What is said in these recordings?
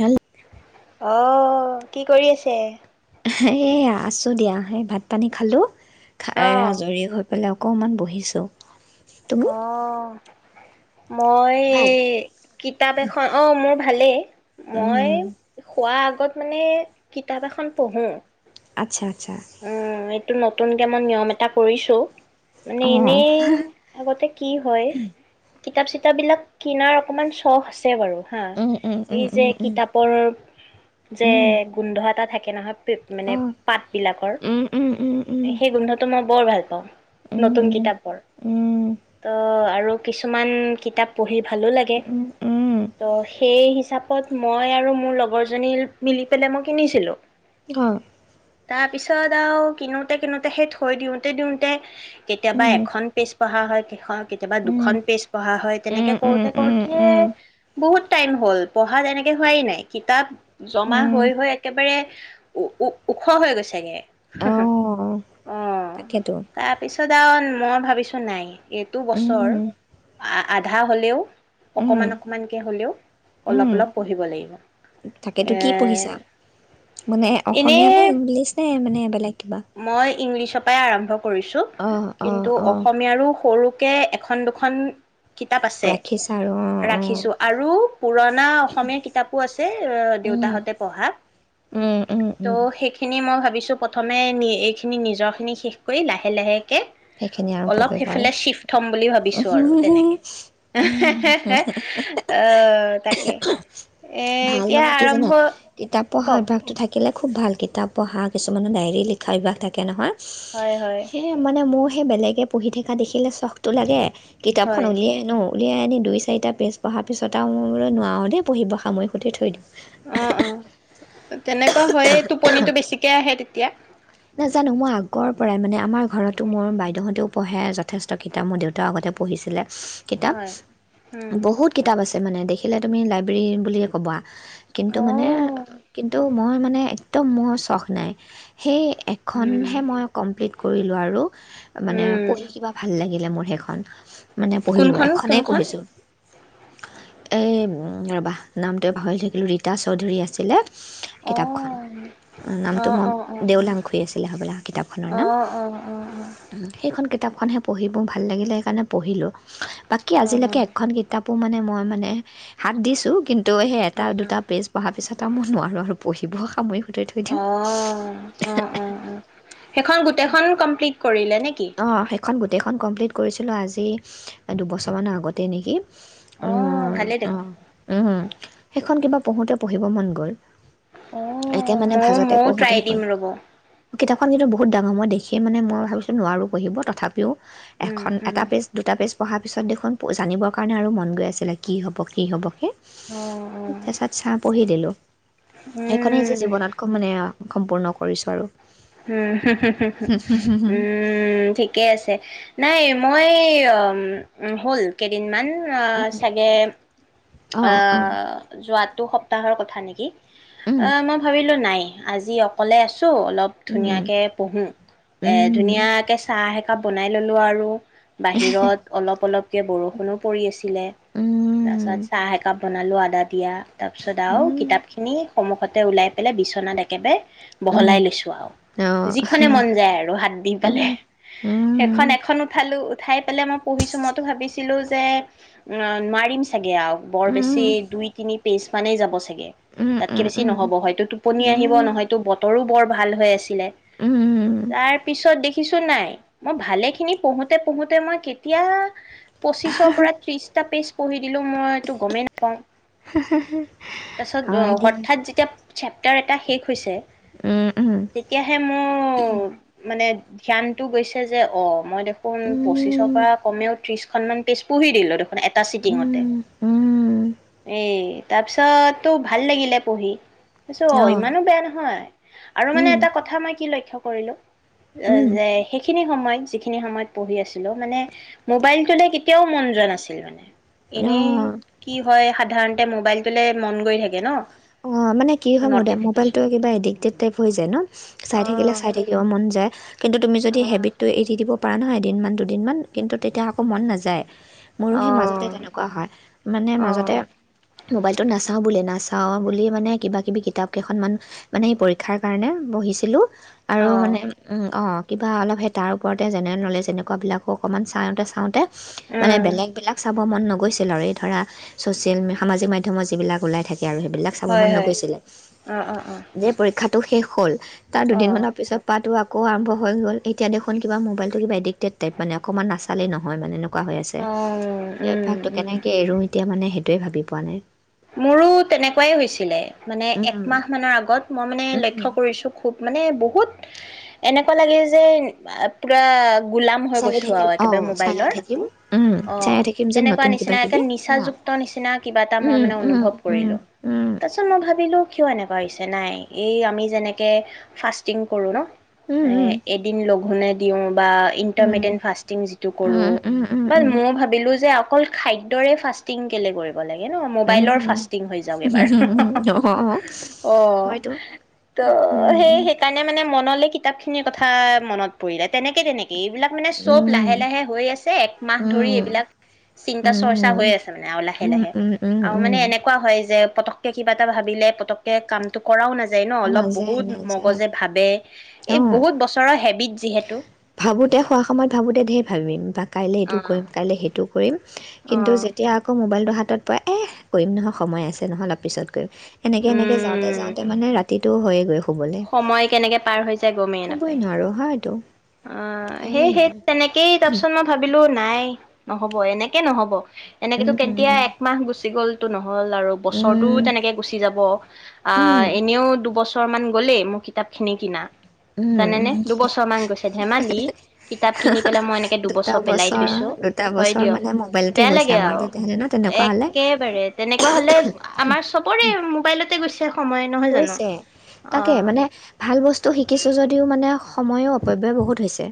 Hello অ। কি কৰি আছে? এই আছোঁ দিয়া সেই ভাত পানী খালোঁ। খাই অ'। আজৰি হৈ, পেলাই অকণমান বহিছোঁ। তুমি অ', মই ভাল এই কিতাপ এখন, অ মোৰ ভালে। মই উম শুৱা আগ গত মানে কিতাপ এখন পঢ়োঁ। আচ্ছা, আচ্ছা উম এই টো নতুনকে মই নিয়ম এটা কৰিছোঁ। মানে অ এনেই আগতে কি হয়। কিতাপ-চিতাপবিলাক কিনাৰ অকণমান চখ আছে। ছেবাৰু হা উম উম এই উম যে উম কিতাপৰ উম যে উম গোন্ধ এটা থাকে কেনাহত, অ মানে পাত কৰ। উম উম উম উম সেই গোন্ধটো মানে মই বৰ ভাল পাওঁ। উম নতুন কিতাপৰ। উম উম উম অ আৰু কিছুমান কিতাপ পঢ়িব ভালো লাগে। উম উম উম উম ত' সেই হিচাপ কত মই আৰু মোৰ লগৰজনী মিলি পেলাই মই কিনিছিলোঁ। অ', তাৰ পিছত আৰু কিনোতে কিনোতে, সেই থৈ দিওঁতে দিওঁতে, কেতিয়াবা এখন পেজ পঢ়া হয় ', কেইখন, কেতিয়াবা দুখন পেজ পঢ়া হয়, তেনেকে কৰোতে উম উম -কৰোতে বহুত টাইম হ'ল পঢ়া তেনেকে হোৱাই নাই কিতাপ জমা উম হৈ -হৈ একেবাৰে, উ', উ', -উ', ওখ হৈ গৈছেগে। হ অ হ অ তাকেতো তাৰপিছত কাৰণ মই ভাবিছোঁ নাই, এইটো বছৰ, উম আধা হ'লেও, উম অকমান- অকমানকে হলেও উম অলপ- অলপ পঢ়িব লাগিব, তাকেতো কি এ', পঢ়িছা মানে অসমীয়া এনেই নে ইংলিছ নে মানে বেলেগ কিবা মই ইংলিছৰ পাই আৰম্ভ কৰিছো, অ', কিন্তু অ', অ', অসমীয়াৰো সৰু কে এখন - দুখন, কিতাপ আছে ৰাখিছা আৰু অ', ৰাখিছো অ', আৰু পুৰণা -অসমীয়া কিতাপো আছে, উম, দেউতাহঁতে পঢ়া। উম, উম, ত, উম, ' সেইখ মই ', ভাবিছোঁ প্ৰথমে এইখিনি নিজৰখিনি শেষ কৰি, লাহে- লাহে কি সেইখিনি আৰম্ভ অলপ কৰিব আৰু। সেইফালে চিফ্ট হম বুলি ভাবিছো আৰু তেনেকে এ হে উম, হে হে অৰ তাকে এ ভাল এতিয়া মানে কি জানা? আৰম্ভ কিতাপ পঢ়া কওক অভ্যাসটো থাকিলে খুব ভাল কিতাপ পঢ়া কিছুমানৰ ডায়েৰী লিখা অভ্যাস থাকে নহয় হয় হয় সেই মানে মোৰ সে', বেলেগে পঢ়ি থকা দেখিলেচোন, চখটো লাগে কিতাপখন হয় উলিয়াই আনো উলিয়াই আনি দুই চাৰিটা পেজ পঢ়াৰ পিছত আও মই বোলো নোৱাৰো দেই পঢ়িব সামৰি সুতে থৈ দিওঁ অ অ তেনেকুৱা হয় টোপনিটো বেছিকে আহে তেতিয়া নাজানো মই আগৰ পৰাই মানে আমাৰ, মোৰ বাইদেউহঁতেও পঢ়ে, যথেষ্ট কিতাপ। মোৰ দেউতাও আগতে পঢ়িছিলে। কিতাপ, হয় উম বহুত কিতাপ আছে মানে দেখি, সিলে তুমি লাইব্ৰেৰীন বুলিয়ে ক'বা, কিন্তু অ মানে কিন্তু মই মানে টো', মোৰ চখ নাই সেই, উম এখনহে মই কমপ্লিট কৰিলোঁ, আৰু মানে উম পঢ়ি কিবা ভাল লাগে। লে মোৰ সেইখন, মানে পঢ়িলো কোনখন এখনেই কোনখন পঢ়িছোঁ এ ৰবা নামটোোৱে পাহৰি থাকিলো ৰীতা চৌধুৰী আছিলে অ কিতাপখন অ নামটো মই অ অ দেওলাং খুৰি আছিলে হ'বলৈা কিতাপখনৰ অ অ নাম অ অ অ অ উ সেইখন কে কিতাপখনহে পঢ়িবোৰ ভালাগিলে সেইকাৰণে পঢ়িলোঁ বাকী আজিলৈকে এখন কিতাপ াপো মানে মই মানে হাত দিছো কিন্তু সেই এটা দুটা পেজ পঢ়াৰ পিছত আৰু মই নোৱাৰো আৰু পঢ়িবও সামৰি সুতৰি থৈ দিওঁ অ অ অ অ সেইখন গোটেইখন কমপ্লিট কৰিলে নেকি অঁ সেইখন গোটেইখন কমপ্লিট কৰিছিলোঁ আজি দুবছৰমানৰ আগত তেনেকৈ অ উম ভালেই অ দেখোন। উম সেইখন কিবা পঢ়োঁতে পঢ়িব মন গ'ল অ একে মানে মই ভাজতে ময়ও ট্ৰাই পঢ়োঁতে দিম ৰ'ব কিতাপখন কিন্তু বহুত ডাঙ মই দেখিয় মানে মই ভাবো নোৱাৰোঁঢ়িব তথাপি ব উম, উম, পঢ়াৰ পিছত দেখোন জানিবৰ কাৰণে আৰু মন গৈ আছিলে কি হ'ব কি হ'ব সেই অ', অ', উম। তাৰিছত চাহ পঢ়ি দিলো সেইখনেই যে জীৱনতকো মানে সম্পূৰ্ণ কৰিছোঁ আৰু উম হোম হোম হোম উম উমমম ঠিকে আছে নাই মই হ'ল কেইদিনমান উ চাগে অ অঁ অঁ যোৱাটো সপ্তাহৰ কথা নেকি অ মই ভাবিলো নাই আজি অকলে আছো অলপ ধুন প এ ধুন চ কাপ বনাই ল'লোঁ আৰু বাহিৰত অলপ অলপকে বৰষুণো পৰি আছিলে তাৰছত একাপ বনালোঁ আদা দিয়া। তাৰপিছত আৰু কিতাপ খিনি সন্মুখতে ওলাই পেলাই, বিচনাত একেবাৰে বহলাই লৈছোঁ, আৰু যিখনে মন যায় আৰু হাত দি পেলাই, সেইখন এখন উঠালোঁ। উঠাই পেলাই মই পঢ়িছোঁ মইতো ভাবিছিলোঁ যে উ নোৱাৰিম চাগে আৰু। বৰ বেছি দুই তিনি। পিছ মানে যাব। চাগে তাতকে বেছি নহব, হয়তো টোপনি আহিব নহয়তো বতৰো বৰ। ভাল হৈ আছে। দিলে তাৰ পিছত দেখি। মাতিছো নাই মই ভালে খিনি পঢ়োঁতে পঢ়োঁতে মই কেতিয়া। পঁচিছৰ পৰা ত্ৰিশটা পেজ। পঢ়ি দিলোঁ মই তো গমেই নাপাওঁ। তাৰপাছত হয় দিয়া হঠাৎ যেতিয়া। চেপ্টাৰ এটা শেষ হৈছে উম, উম, তেতিয়াহে, মোৰ মানে ধ্যানটো গৈছে যে, অ'! মই দেখোন পঁচিছৰ উম। পৰা কমেও ত্ৰিশ এখনমান পেজ পঢ়ি দিলোঁ মানে এটা চিটিঙতে। উম, উম, এ এই তাৰপিছত তো ভাল লাগিলে পঢ়ি। ভাবিছোঁ অ', ইমানো বেয়া নহয় আৰু মানে উম, এটা কথা মই কি লক্ষ্য কৰিলোঁ অ', উম, যে সেইখিনি সময়ত যিখিনি সময়ত পঢ়ি আছিলোঁ, মানে মোবাইলটো লৈ কেতিয়াও মন যোৱা নাছিল মানে। এনেই অ'। হয়, সাধাৰণতে মোবাইলটোলে মন গৈ থাকে ন'। অ', মানে কি হয় মোবাইলটো নটিফিকেশ্যন কিবা এডিক্টেড টাইপ হৈ যায়, ন', চাই থাকিলে অ', চাই থাকিব মন যায়, কিন্তু। তুমি যদি অ', হেবিটটো এৰি দিব। পাৰা নহয় এদিনমান, দুদিনমান কিন্তু তেতিয়া আকৌ মন নাযায়। মোৰো সেই মাজতে অ', তেনেকুৱা হয়, মানে অ', মাজতে মোবাইলটো নাচাও বুলিয়ে নাচ। চাওঁ বুলি মানে কিবা কিবি কিতাপকেইখনমান মানে পৰীক্ষাৰ কাৰণে পঢ়িছিলোঁ। আৰু অ', মানে, উম অ'। কিবা অলপ সেই তাৰ ওপৰতে জেনেৰেল নলেজ এনেকুৱাবিলাকো অকণমান চাওঁতে চাওঁতে মানে উম, বেলেগ বিলাক চাব মন নগ গৈছিল আৰু এই ধৰা, ছ'চিয়েল সামাজিক মাধ্যমত যিবিলাক ওলাই থাক কে আৰু সেইবিলাক চাব হয়, মন হয়, নগৈছিলে, অ', অ', অ', যেই পৰীক্ষাটো শেষ হ'ল। তাৰ দুদিন অ', মানৰ পিছৰ পৰাটো আক কৌ আৰম্ভ হৈ গ'ল, এতিয়া দেখোন কিবা ম'বাইলটো কিবা এডিক্টেড টাইপ, মানে অকনমান নাচালেই নহয় মানে এনেক কুৱা হৈ আছে। অ', সেই উম, অভ্যাসতটো উম, কেনেকে এৰোঁ এতিয়া মানে সেই সেইটোৱে ভাৱি পোৱা নাই। মোৰো তেনেকুৱাই হৈছিলে, মানে একমাহ নাই মানৰ আগত মই মানে লক্ষ্য কৰিছোঁ, খুব মানে বহুত এনেকুৱা লাগেই যেন, পুৰা গোলাম হৈ চায়ে গৈছোঁ থাকিম আৰু অ একেবাৰে চায়ে ম'বাইলৰ, থাকিম অ', চায়ে থাকিম যেন তেনেকুৱা নতুন কিবা নিচিনা একে, কিবি অ নিচাযুক্ত নিচিনা কিবা এটা মই উম মানে উম অনুভৱ কৰিলোঁ, উম তাৰপিছত মই ভাৱিলো কিয় এনেকুৱা হৈছে? নাই, এই আমি যেনেকে, ফাষ্টিং কৰোঁ ন এ, উম এদিন লঘোনে দিওঁ বা উম ইণ্টাৰমেটেন ফাষ্টিং যিটো উম কৰোঁ, উম উম উম বাত মই ভাবিলোঁ যে অকল খাদ্যৰে ফাষ্টিং কেলেই কৰিব লাগে? ন' উম ম'বাইলৰ ফাষ্টিং হৈ যাওঁক এইবাৰ। উম উম অ অ', হয়তো ত' উম সেই-সেইকাৰণে মানে মনলে কিতাপ খিনিৰ কথাই মনত পৰিলে, তেনেকে তেনেকে এইবিলাক মানে চব উম লাহে লাহে হৈ আছে, একমাহ ধৰি উম এইবিলাক উম চিন্তা চৰ্চা উম হৈ আছে মানে আৰু লাহে উম লাহে। উম অ' উম মানে এনেকুৱা হয় যে পতককে কিবা এটা ভাবিলে, পতককে কামটো কৰাও নাযায় যায় ন, অলপ নাযায় বহুত নাযায় মগজে ভাৱে, এই অ বহুত বছৰৰ হেবিট যিহেতু। কাইলে অ এইটো কৰিম কাইলে সেইটোক কৰিম, অ কিন্তু যেতিয়া আকৌ ম'বাইলটো হাত পৰে, এহ্, কৰিম নহয় সময় আছে নহয় অলপ পিছত এনেকে এনেকে যাওঁতে উম যাওঁতে মানে ৰাত হয়ে গৈ সময় কেনেকে পাৰ হৈ যায় গমেই ক'বই নাপায়। নোৱাৰোঁ হয় এইটো অ', সেই-সেই তেনেকেই তাৰপিছত মই ভাবিলো এ নাই নহব এনেকে নহব এনেকেতো কেতিয়া একমাহ গুচি গ'ল হল আৰু বছৰতো তেনেকে গুছি যাব আ এনেও দুবছৰ বৰ মান গ'লেই মোৰ কিতাপ খিনি কিনা জানে নে দুবছৰ মান গৈছে ধেমালি, কিতাপ কিনি পেলাই এনেকে দুটা দুবছৰ পেলাই বছৰ থৈছো, দুটা হয় বছৰ দিয়ক মানে মোবাইলতে বেয়া গৈছে লাগে আমাৰ আও তেতিয়াহ'লে ন তেনেকুৱা হ'লে একেবাৰে তেনেকুৱা হ'লে আমাৰ ছবৰে মোবাইল [unintelligible] কৈছে তাকে মানে ভাল বস্তু তো শিকিছোঁ যদিও মানে সময়ো অপব্যয় বহুত হৈছে।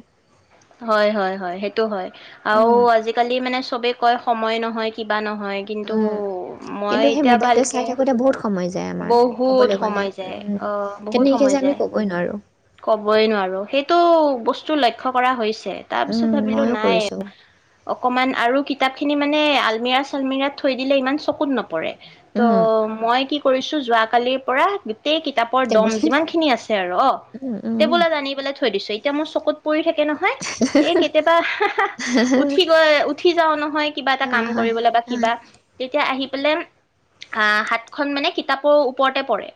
হয়, হয়, হয় সেইটো হয়। আৰু হৈছে আজিকালি মানে চবে কয় সময় নহয় কিবা নহ হয় কিন্তু মই কিন্তু সেই এতিয়া মোবাইলটো ভালকে চাই থাকোঁতে বহুত সময় যায় আমাৰ বহুত ক'বলৈ গ'লে সময় যায় অ', বহুত কেনেকৈ সময় আমি যায় ক'বই নোৱাৰোঁ ক'বই নোৱাৰো সেইটো বস্তু লক্ষ্য কৰা হৈছে। তাৰপিছত উম, ভাবিলো ময়ো নাই কৰিছোঁ অকমান আৰু কিতাপ খিনি মানে আলমিৰা চালমিৰা থৈ দিলে ইমান চকুত নপৰে। ত' উম, মই কি কৰিছো যোৱা কালিৰ পৰা গোটেই কিতাপৰ দম টেবুল টেনিছ যিমান খিনি আছে আৰু অ', উম, উম। টেবুলত আনি পেলাই থৈ দিছো। এতিয়া মোৰ চকুত পৰি থাকে নহয় এ, কেতিয়াবা উঠি গৈ উঠি যাওঁ নহয় কিবা এটা হা, কাম হা, কৰিবলৈ বা হা। কিবা তেতিয়া আহি সাত খন মানে কিতাপৰ ওপৰতে পৰে।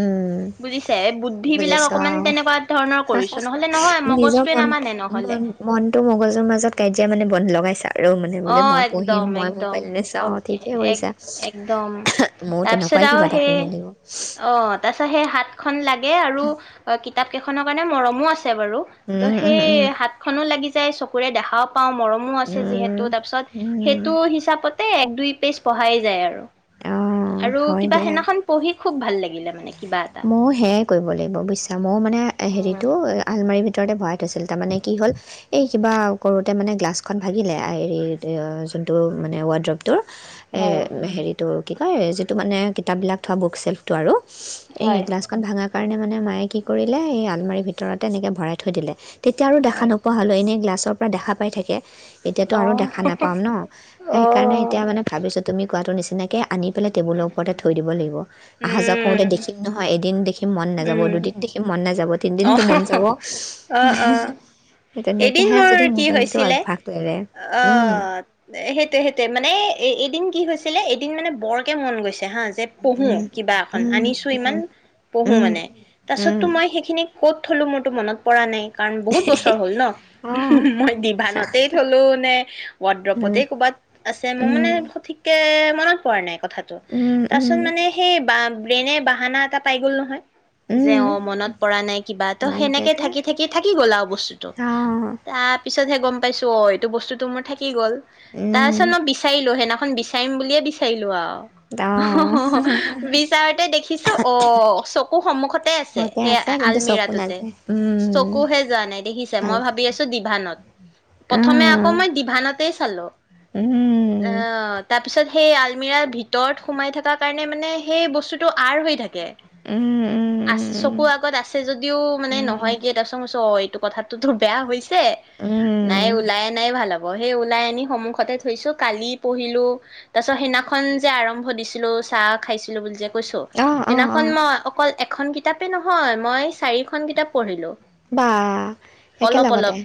উম, বুজিছে বুদ্ধি বিলাক বুজিছ' অকমান তেনেকুৱা ধৰণৰ কৰিছো নহলে নহয় নিজৰ মগজটোৱে মন নামানে নহলে। মন মনটো মগজুৰ মাজত কাজিয়া মানে ব লগাইছা আৰু মানে বোলে অ', মই পঢ়িম একদম মই একদম মোবাইলে অ', চাওঁ ঠিকে এক কৰিছা, একদম। মইও তেনেক তাৰপিছত কাই আৰু কিবা এটা সেই কৰিব লাগিব। অ', তাৰ পিছত সেই হাতখন লাগ এ, আৰু কি তাপকেইখনৰ কাৰণে মৰমো আছে। বাৰু সেই হাত খনো লাগিছ তাই চকুৰে দেখাক পাওঁ মৰমো আছে যিহেতু তাৰপিছত সেইটো হিচাপতে এক দুই পেজ পঢ়াই যায় আৰু অঁ আৰু কিবা সেনাখন পঢ়ি খুব ভাল লাগে মই সেয়াই কৰিব লাগিব বুজিছা মইও মানে উম, হেৰিতটো আলমাৰী ভিতৰতে ভৰাই আছিল তাৰ মানে কি হ'ল এই কিবা কৰোঁতে মানে গ্লাছখন ভাগিলে হেৰি যোনটো মানে ৱড্ৰপ হয়, তৰ হেৰিটো কি কয় যিটো মানে কিতাপবিলাক থোৱা বুক চেল্ফটো আৰু এই হয়, গিলাজখন ভাঙা সেইকাৰণে মানে মায়ে কি কৰিলে এই আলমাৰীৰ ভিতৰতে এনেকৈ ভৰাই থৈ দিলে তেতিয়া আৰু দেখা হয়। নোপোৱা হোলো এনেগ্লা পিছৰ পৰা দেখা পাই থাকে এতিয়াতো আৰু অ', দেখা নাপাম ন সেইকাৰণে এতিয়া অ', মানে ভাবিছো তুমি কোৱাটো নিচিনা তেনেকে আনি পেলাই টেবুলৰ ওপৰতে থৈ দিব লাগিব আহা যোৱা সৰুতে উম, দেখিম নহয় এদিন সি মন নাযাব উম, দুদিন দেখি মন নাযাব অ', তিনিদিনটো মন যাব অ', অ'। হিহিহি এদিন মোৰ কি হৈছিলে এৰে অ অঁ সেইটো সেইটো মানে এদিন কি হৈছিল পিছলৈ এদিন মানে বৰকে মন গৈছিল হা যে পঢ়ো কিবা এখন আনিছো ইমান পঢ়ো মানে তাৰ পিছত মই সেইখিনিক ক'ত থলো মোৰতো মনত পৰা নাই কাৰণ হল ন হুম হুম মই ডিভানতেই থলো নে ৱড্ৰপতেই ক'বাত আছে মই মানে সঠিককে মনত পোৱা নাই কথাটো তাৰপিছত মানে সেই বা এনে বাহানা এটা পাই গ'ল নহয় যে অ মনত পৰা নাই কিবা ত সেনেকে এতিয়া থাকি থাকি থাকি গ'ল আৰু বস্তুটো অ'। তাৰ পিছত পিছতে গম পাইছো অ এইটো বস্তুতটো মোৰ থাকি গ'ল। উম, তাৰপাছত মই বিচাৰিলো সেদিনাখন।। এইখন বিচাৰিম বুলিয়ে বিচাৰিলোঁ আও অ', বিচাৰতে দেখিছো অ চকু সন্মুখতে আছে। মতে সেই কিন্তু চকু আলমিৰাটোতে নাযায়, উম। চকুহে যোৱা নাই দেখিছো।। উম, মই ভাবি আছোঁ ডিভানত প্ৰথমে আকৌ মই ডিভিজন।। তাতেই চালো। উম, উম, অ তাৰপিছত।। সেই আলমিৰাৰ ভিতৰত সোমাই থকা কাৰণে মানে সেই বস্তুতটো আ়ৰহৈ থাকে। তাকে, উম, আ উম। চকুৰ আগত আছে যদিও মানে উম, নহয় গে [unintelligible] অ এইটো।। কথাত। সেই টো বেয়া হৈছে।। উম, নাই ওলায় অনাই ভাল হ'ব।। ধৰি ওলাই আনি সন্মুখতে থৈছোঁ কালি পঢ়িলো। তাৰ পিছত সেইদিনাখন যে আৰম্ভ দিছিলো চাহ খাইছিলো বুলি যে।। কৈছোঁ অ', অ', অ', সেইদিনাখন মই অকল।। এখন কিতাপেই নহয় মই চাৰিখন কিতাপ পঢ়িলোঁ। বাহ' একেলগতে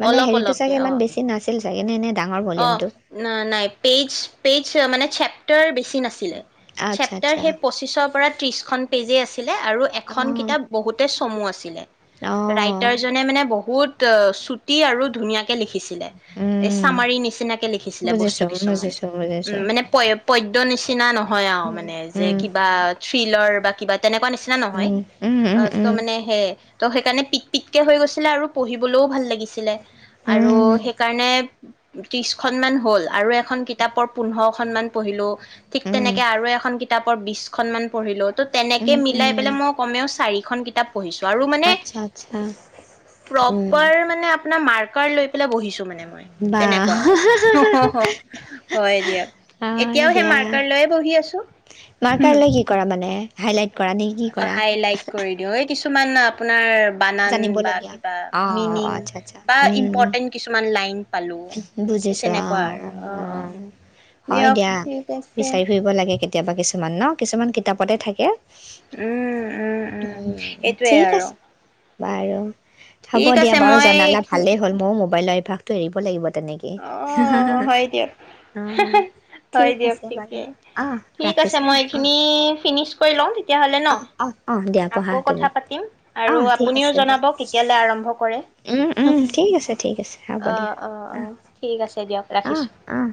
মানে অলপ হেৰিটো অলপকে চাগে অ ইমান বেছি নাছিল? নে ডাঙৰ অ ভলিউমটো? ন নাই পেইজ। পেজ মানে চেপ্টাৰ বেছি।। নাছিলে আচ্ছা, চেপ্টাৰ আচ্ছা। সেই পঁচিছৰ পৰা।। ত্ৰিশখন পেজে আছে।। ছিলে আৰু এখন অ', কিতাপ বহুতে চমু আছিল।। আছিলে। অ', ৰাইটাৰজনে মানে বহুত।। চুটি আৰু ধুনীয়াকে লিখিছে। দিলে এছ উম, চামাৰী নিচিনাকে লিখিছিলে বস্তু বুজিছোঁ, কিছুমান বুজিছোঁ, উ বুজিছোঁ। মানে পই পদ্য নিছ [inaudible] কিনা নয়।। হয় অ মানে যে উম, কিবা থ্ৰিলৰ বা।। কিবা। তেনেকুৱা নিচিনা নহয় উম, উম, উম, আহ ত' মানে সেই।। ত' সেইকাৰণে পিত পিত কে হৈ গৈছিলে আৰু পঢ়িবলৈও ভাল লাগি লাগিছিলে আৰু উম, সেইকাৰণে।। ত্ৰিশ খনমানান হ'ল, আৰু এখন কিতাপৰ পোন্ধৰ খন মান পঢ়িলো। ঠিক উম, তেনেকে আৰু এখন কিতাপৰ বিছ খনমান পঢ়িলোঁ ত' তেনেকে উম, মিলাই উম, পেলাই মই কমেও চাৰি খনগি। পঢ়িছোঁ আৰু মানে, আচ্ছা, আচ্ছা। উম প্ৰপাৰ মানে মাৰকাৰ লৈ পেলাই বহিছো মানে মই বা। তেনেকুৱা আৰু হয় দিয়া হয় এতিয়াও সেই দিয়া মাৰ্কৰ লৈয়ে বহি আছো। মাৰ্কাৰ লৈ কি কৰা মানে হাইলাইট কৰা নে কি কৰা। হাইলাইট কৰি দিওঁ এই কিছুমান আপোনাৰ বানান বা জানিবলগীয়া কিবা অ মিনিং অ', আচ্ছা আচ্ছা বা উম ইম্পৰ্টেণ্ট কিছুমান লাইন পালো। এই বুজিছো অ তেনেকুৱা আৰু অ অ হয় দিয়ক দিয়া ঠিক আছে বিচাৰি ফুৰিব লাগে কেলেই। কেতিয়াবা কিছুমান ন, কিছুমান কিতাপতে থাকে উম উম উম এইটোৱে ঠিক আৰু। আছে বাৰু। হ'ব ঠিক দিয়া আছে বাৰু মই জনালা এইখিনি ভালেই হ'ল ময়। [unintelligible] [unintelligible] অ হয় দিয়ক অ হয় ঠিক দিয়ক আছে বাৰু ঠিকেই অ ঠিক আছে ৰাখিছো ন মই অ এইখিনি ফিনিচ কৰি লওঁ, তেতিয়াহলে ন অ অ অ দিয়া পঢ়া আকৌ কথা তুমি পাতিম অ আৰু ঠিক আপুনিও আছে দিয়া জনাব কেতিয়ালৈ আৰম্ভ কৰে উম উম ঠিক আছে ঠিক আছে হ'ব অ দিয়া অ অ। অহ ঠিক আছে দিয়ক অহ ৰাখিছো অহ